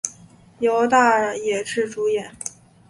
由大野智主演。